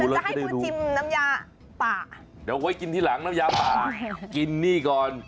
คุณจะให้คุณชิมน้ำยาป่าเดี๋ยวไว้กินที่หลังน้ำยาป่ากินนี่ก่อน